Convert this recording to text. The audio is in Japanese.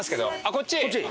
こっち？